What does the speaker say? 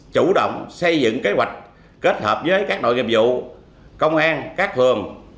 chủ động xây dựng kế hoạch kết hợp với các nội nghiệp vụ công an các thường